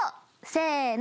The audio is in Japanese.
せの。